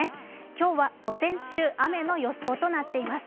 今日は午前中、雨の予想となっています。